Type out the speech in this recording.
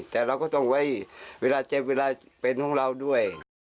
แต่เราก็ต้องไว้เวลาเจ็บเวลาเป็นของเราด้วย